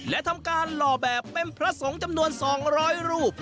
และทำการหล่อแบบเป็นพระสงฆ์จำนวน๒๐๐รูป